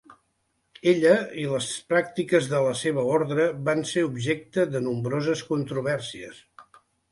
Ella i les pràctiques de la seva ordre van ser objecte de nombroses controvèrsies.